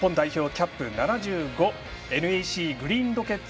キャップ７５ＮＥＣグリーンロケッツ